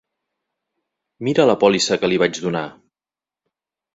Mira la pòlissa que li vaig donar!